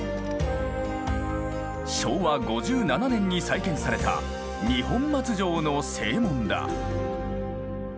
昭和５７年に再建された二本松城の正門だ。